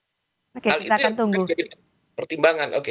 hal itu yang menjadi pertimbangan